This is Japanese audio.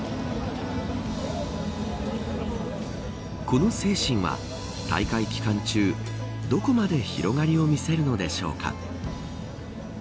この精神は、大会期間中どこまで広がりを見せるのでしょうか。